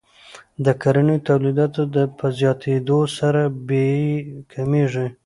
د کورنیو تولیداتو په زیاتیدو سره بیې کمیږي.